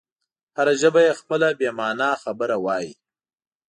هره ژبه یې خپله بې مانا خبره وایي.